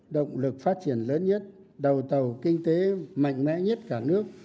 động lực phát triển lớn nhất đầu tàu kinh tế mạnh mẽ nhất cả nước